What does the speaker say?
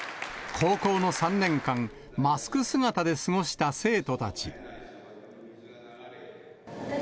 高校の３年間、マスク姿で過ごした生徒たち。